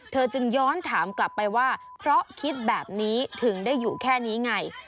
จึงย้อนถามกลับไปว่าเพราะคิดแบบนี้ถึงได้อยู่แค่นี้ไง